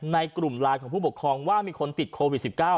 ในกลุ่มไลน์ของผู้ปกครองว่ามีคนติดโควิด๑๙